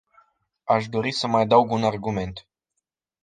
Aș dori să mai adaug un argument.